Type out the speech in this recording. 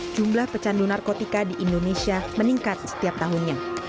jumlah pecandu narkotika di indonesia meningkat setiap tahunnya